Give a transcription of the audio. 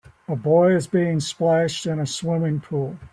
A boy is being splashed in a swimming pool